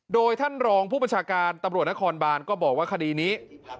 โดยท่านรองผู้บัญชาการตำรวจนครบานก็บอกว่าคดีนี้